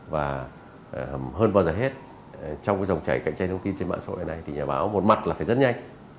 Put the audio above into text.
và hơn bao giờ hết trong cái dòng chảy cạnh tranh thông tin trên mạng xã hội này thì nhà báo một mặt là phải rất nhanh